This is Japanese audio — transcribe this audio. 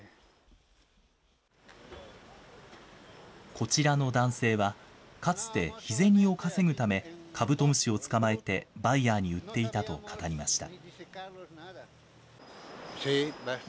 こちらの男性は、かつて日銭を稼ぐため、カブトムシを捕まえてバイヤーに売っていたと語りました。